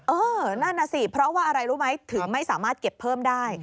เออนั่นน่ะสิเพราะว่าอะไรรู้ไหมถึงไม่สามารถเก็บเพิ่มได้